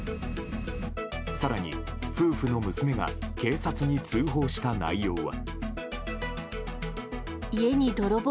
更に、夫婦の娘が警察に通報した内容は。